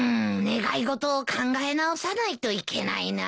願い事を考え直さないといけないな。